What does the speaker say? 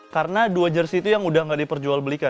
karena dua jersi itu yang sudah tidak diperjual